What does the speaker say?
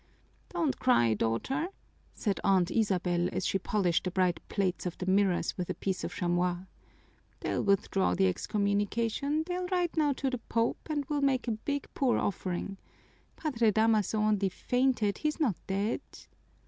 "Don't cry, daughter," said Aunt Isabel, as she polished the bright plates of the mirrors with a piece of chamois. "They'll withdraw the excommunication, they'll write now to the Pope, and we'll make a big poor offering. Padre Damaso only fainted, he's not dead."